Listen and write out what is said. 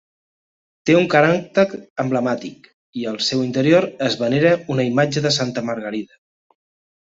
Té un caràcter emblemàtic i al seu interior es venera una imatge de Santa Margarida.